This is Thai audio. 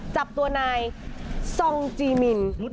จับตัวนายซองจีมิน